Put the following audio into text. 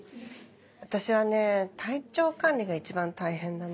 私はね体調管理が一番大変だね。